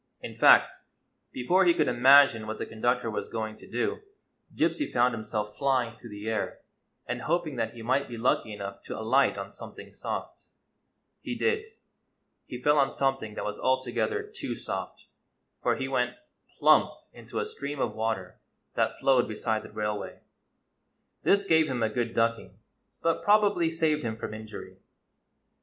In fact, before he could imagine what the conductor was going to do, Gypsy found himself flying through the air and hoping that he might be lucky enough to alight on something soft. He did. He fell on something that was alto gether too soft; for he went, plump! into a stream of water that flowed beside the railway. This gave him a good ducking, but probably saved him from injury.